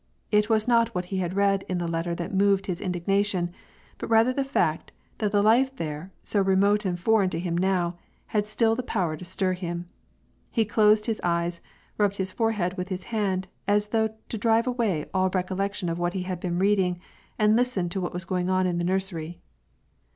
It was not what he had read in the letter that moved his indignation, but rather the fact that the life there, so remote and foreign to him now, had still the power to stir him. He closed his eyes, rubbed his forehead with his hand, as though to drive away all recollection of what he had been reading — and listened to what was going on in the nursery.